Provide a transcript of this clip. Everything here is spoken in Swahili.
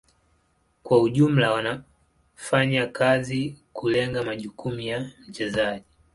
Kwa ujumla wanafanya kazi kulenga majukumu ya mchezaji.